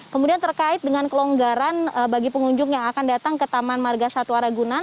kemudian terkait dengan kelonggaran bagi pengunjung yang akan datang ke taman marga satwa ragunan